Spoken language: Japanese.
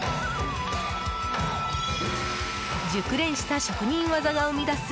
熟練した職人技が生み出す